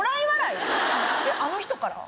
あの人から？